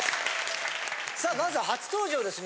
さあまずは初登場ですね